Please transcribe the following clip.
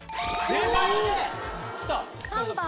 正解。